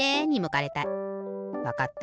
わかった。